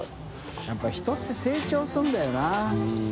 笋辰僂人って成長するんだよな。